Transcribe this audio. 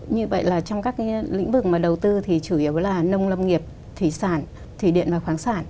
như vậy trong các lĩnh vực đầu tư chủ yếu là nông lâm nghiệp thủy sản thủy điện và khoáng sản